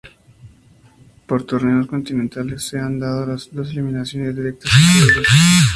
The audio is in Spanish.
Por torneos continentales, se han dado dos eliminaciones directas entre ellos.